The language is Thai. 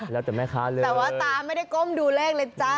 แล้วแต่แม่ค้าเลยแต่ว่าตาไม่ได้ก้มดูเลขเลยจ้า